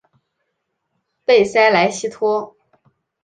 贝塞莱西托。